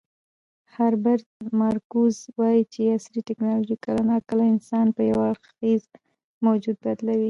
هربرت مارکوز وایي چې عصري ټیکنالوژي کله ناکله انسان په یو اړخیز موجود بدلوي.